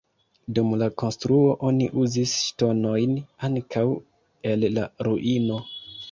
Dum la konstruo oni uzis ŝtonojn ankaŭ el la ruino.